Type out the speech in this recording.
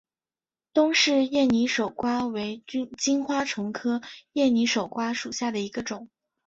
东氏艳拟守瓜为金花虫科艳拟守瓜属下的一个种。